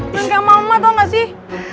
keren kayak mama tau gak sih